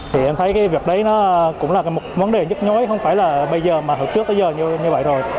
thì em thấy cái việc đấy nó cũng là một vấn đề nhức nhói không phải là bây giờ mà hợp trước tới giờ như vậy rồi